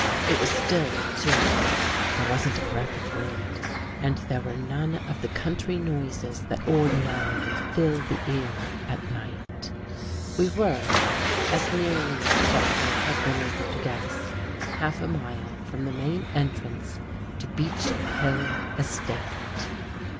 It was still, too. i There wasn't a breath of wind, and there were none of the country noises that ordinarily fill the ear at night. We were, as nearly as Jeffrey had been able to guess, half a mile from the main entrance to Beech Hill estate.